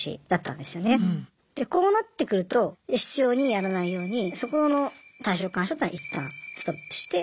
でこうなってくると執ようにやらないようにそこの退職勧奨というのは一旦ストップして。